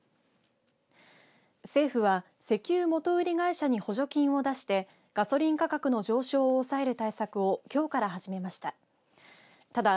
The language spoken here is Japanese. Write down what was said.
政府は、石油元売り会社に補助金を出してガソリン価格の上昇を抑える対策をきょうから始めました。